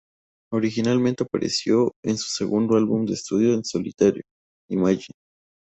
Originalmente apareció en su segundo álbum de estudio en solitario, "Imagine".